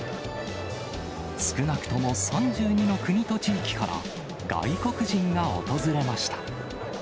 少なくとも３２の国と地域から、外国人が訪れました。